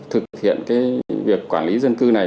thực hiện cái việc quản lý dân cư này